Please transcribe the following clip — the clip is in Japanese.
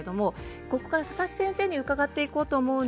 ここから佐々木先生に伺っていきます。